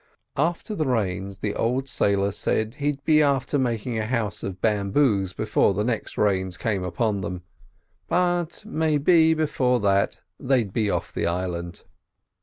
After the rains the old sailor said he'd be after making a house of bamboos before the next rains came on them; but, maybe, before that they'd be off the island.